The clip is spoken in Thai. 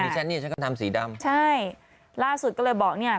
ใช่ล่าสุดก็เลยบอกเนี่ย